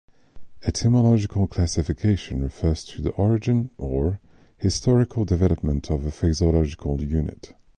Etymological classification refers to the origin or historical development of a phaseological unit.